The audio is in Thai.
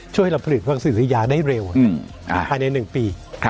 ช่วยให้เราผลิตพลังสือยาได้เร็วภายใน๑ปี